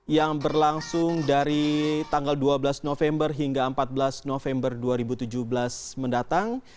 yang berlangsung dari tanggal dua belas november hingga empat belas november dua ribu tujuh belas mendatang